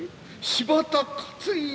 柴田勝家